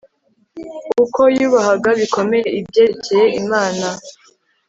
uko yubahaga bikomeye ibyerekeye imana